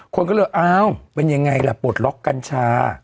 คนก็เลยอ้าวเป็นยังไงล่ะปลดล็อกกัญชา